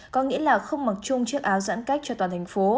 có nghĩa là không mặc chung chiếc áo giãn cách cho toàn thành phố